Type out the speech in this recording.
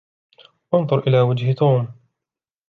أنظر إلى وجه توم.